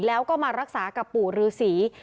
แล้วก็มารักษากับปู่ฤษี